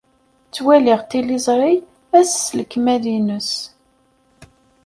Ttwaliɣ tiliẓri ass s lekmal-nnes.